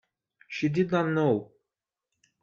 She did not know.